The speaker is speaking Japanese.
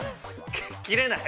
◆切れない。